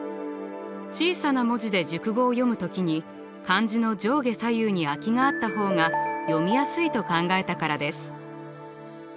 小さな文字で熟語を読む時に漢字の上下左右に空きがあった方が読みやすいと考えたからです。